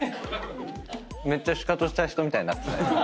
めっちゃシカトした人みたいになってた？